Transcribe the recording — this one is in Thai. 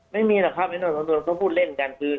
ไม่มีแหละพูดเล่นกัน